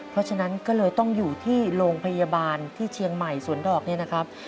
เพราะฉะนั้นก็เลยต้องอยู่ที่โรงพยาบาลที่เชียงใหม่สวนดอกเนี่ยนะครับ